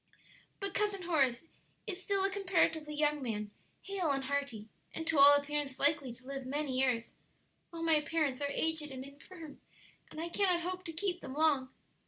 "But Cousin Horace is still a comparatively young man, hale and hearty, and to all appearance likely to live many years, while my parents are aged and infirm, and I cannot hope to keep them long."